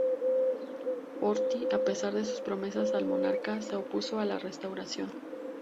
Horthy, a pesar de sus promesas al monarca, se opuso a la restauración.